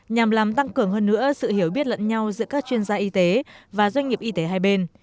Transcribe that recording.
nhằm làm tăng cường hơn nữa sự hiểu biết lẫn nhau giữa các chuyên gia y tế và doanh nghiệp y tế hai bên